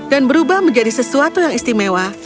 dan berubah menjadi sesuatu yang istimewa